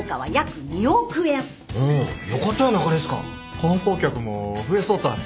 観光客も増えそうたい。